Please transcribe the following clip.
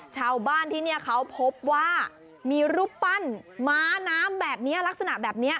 ชาวบ้านที่นี่เขาพบว่ามีรูปปั้นม้าน้ำแบบนี้